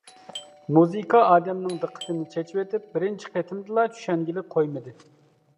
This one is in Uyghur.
مۇزىكا ئادەمنىڭ دىققىتىنى چېچىۋېتىپ بىرىنچى قېتىمدىلا چۈشەنگىلى قويمىدى.